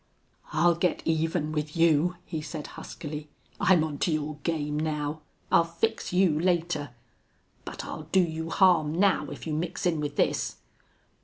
"I'll get even with you," he said, huskily. "I'm on to your game now. I'll fix you later. But I'll do you harm now if you mix in with this!"